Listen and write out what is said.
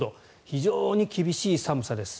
非常に厳しい寒さです。